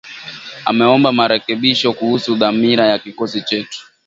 ameomba marekebisho kuhusu dhamira ya kikosi chetu